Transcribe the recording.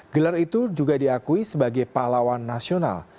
gelar itu juga diakui sebagai pahlawan nasional